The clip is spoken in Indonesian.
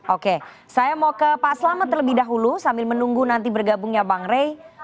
oke saya mau ke pak selamat terlebih dahulu sambil menunggu nanti bergabungnya bang rey